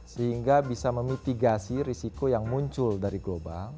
sehingga bisa memitigasi risiko yang muncul dari global